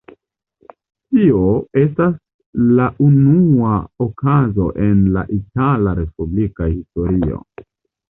Tio estas la unua okazo en la itala respublika historio.